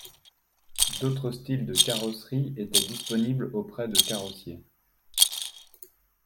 D'autres styles de carrosserie étaient disponibles auprès de carrossiers.